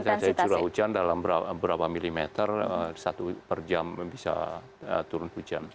intensitas dari jura hujan dalam berapa milimeter satu per jam bisa turun hujan